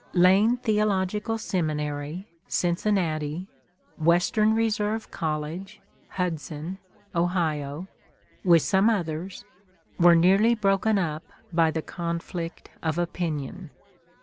Lane Theological Seminary, Cincinnati, Western Reserve College, Hudson, O., with some others, were nearly broken up by the conflict of opinion.